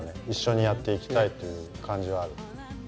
一緒にやっていきたいという感じはある。